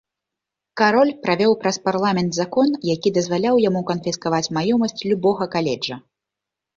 Кароль правёў праз парламент закон, які дазваляў яму канфіскаваць маёмасць любога каледжа.